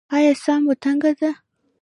ایا ساه مو تنګه ده؟